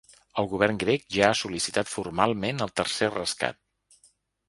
El govern grec ja ha sol·licitat formalment el tercer rescat.